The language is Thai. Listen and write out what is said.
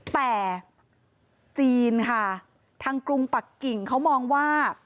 แต่จีนค่ะทางกรุงปักกิ่งเขามองว่า